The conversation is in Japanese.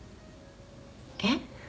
えっ？